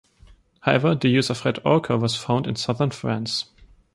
However, the use of red ocher was found in southern France.